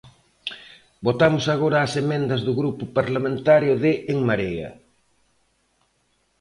Votamos agora as emendas do Grupo Parlamentario de En Marea.